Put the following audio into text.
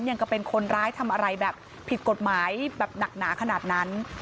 ยังก็เป็นคนร้ายทำอะไรแบบผิดกฎหมายแบบหนักหนาขนาดนั้น